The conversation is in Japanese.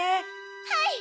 はい！